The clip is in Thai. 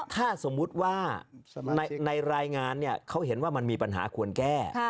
ถ้าสมมุติว่าในรายงานเขาเห็นว่ามันมีปัญหาควรแก้